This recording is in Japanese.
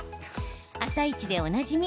「あさイチ」でおなじみ